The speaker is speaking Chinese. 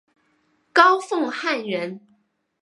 高凤翰人。